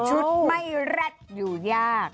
ชุดไม่แร็ดอยู่ยาก